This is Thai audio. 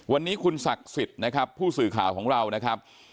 วันนี้คุณศักดิ์สิทธิ์นะครับผู้สื่อข่าวของเรานะครับ